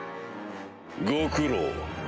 ご苦労。